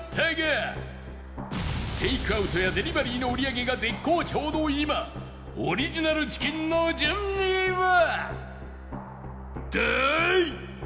テイクアウトやデリバリーの売り上げが絶好調の今オリジナルチキンの順位は？